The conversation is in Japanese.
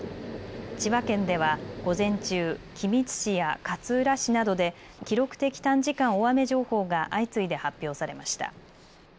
千葉県では午前中、君津市や勝浦市などで記録的短時間大雨情報が相次いで発表されました。